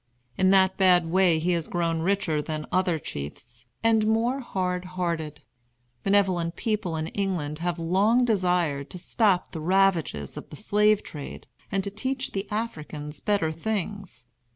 In that bad way he has grown richer than other chiefs, and more hard hearted. Benevolent people in England have long desired to stop the ravages of the slave trade and to teach the Africans better things.